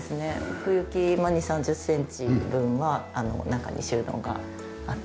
奥行き２０３０センチ分は中に収納があって。